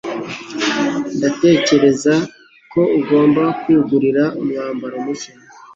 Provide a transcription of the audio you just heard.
Ndatekereza ko ugomba kwigurira umwambaro mushya.